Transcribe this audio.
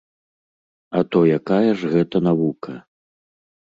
А то якая ж гэта навука?